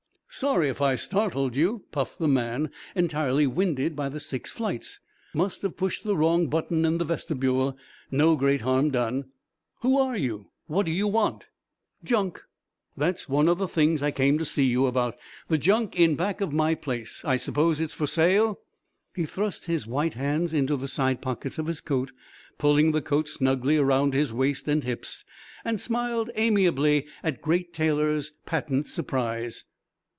"Sorry if I startled you," puffed the man, entirely winded by the six flights. "Must have pushed the wrong button in the vestibule. No great harm done." "Who are you? What you want?" "Junk. That's one of the things I came to see about the junk in back of my place. I suppose it's for sale." He thrust his white hands into the side pockets of his coat, pulling the coat snugly around his waist and hips, and smiled amiably at Great Taylor's patent surprise.